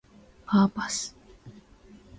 パーパス